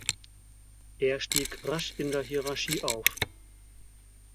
Er stieg rasch in der Hierarchie auf.